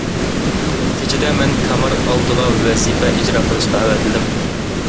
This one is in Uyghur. كېچىدە مەن كامار ئالدىغا ۋەزىپە ئىجرا قىلىشقا ئەۋەتىلدىم.